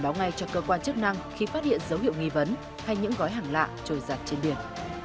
báo ngay cho cơ quan chức năng khi phát hiện dấu hiệu nghi vấn hay những gói hàng lạ trôi giặt trên biển